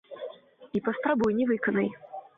І паспрабуй не выканай!